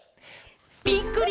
「ぴっくり！